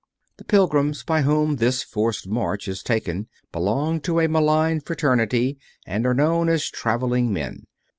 The Pilgrims by whom this forced march is taken belong to a maligned fraternity, and are known as traveling men.